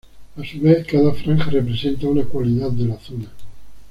A su vez, cada franja representa una cualidad de la zona.